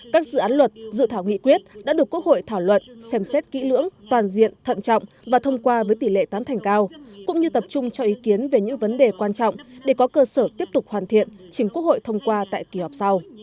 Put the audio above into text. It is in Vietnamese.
các dự án luật dự thảo nghị quyết đã được quốc hội thảo luận xem xét kỹ lưỡng toàn diện thận trọng và thông qua với tỷ lệ tán thành cao cũng như tập trung cho ý kiến về những vấn đề quan trọng để có cơ sở tiếp tục hoàn thiện chính quốc hội thông qua tại kỳ họp sau